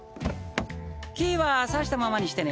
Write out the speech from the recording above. キーはさしたままにしてね。